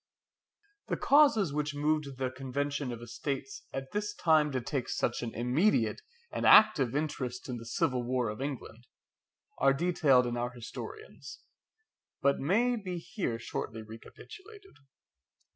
The causes which moved the Convention of Estates at this time to take such an immediate and active interest in the civil war of England, are detailed in our historians, but may be here shortly recapitulated.